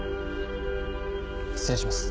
失礼します。